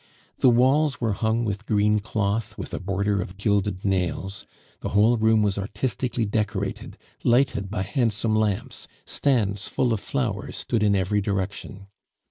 The walls were hung with green cloth with a border of gilded nails, the whole room was artistically decorated, lighted by handsome lamps, stands full of flowers stood in every direction.